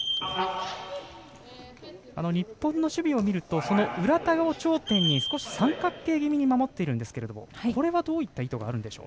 日本の守備を見ると浦田を頂点に少し三角形気味に守っているんですけれどもこれはどういった意図があるんでしょう？